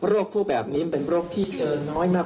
โรคผู้แบบนี้เป็นโรคที่เยินน้อยมาก